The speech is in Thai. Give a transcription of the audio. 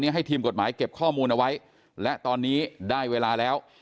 ให้ทีมกฎหมายเก็บข้อมูลเอาไว้และตอนนี้ได้เวลาแล้ว